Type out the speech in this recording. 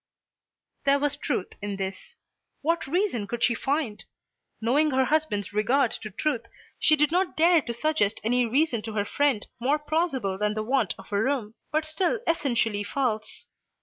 There was truth in this. What reason could she find? Knowing her husband's regard to truth she did not dare to suggest any reason to her friend more plausible than the want of a room, but still essentially false.